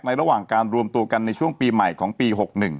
ระหว่างการรวมตัวกันในช่วงปีใหม่ของปี๖๑